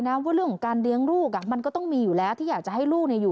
นี่คือทางด้านของอีกคนนึงบ้างค่ะคุณผู้ชมค่ะ